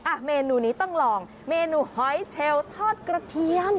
เมนูนี้ต้องลองเมนูหอยเชลทอดกระเทียม